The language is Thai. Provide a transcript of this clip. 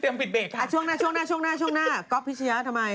เตรียมปิดเบรกค่ะอะช่วงหน้าช่วงหน้าก็กฟิชย้าทำไม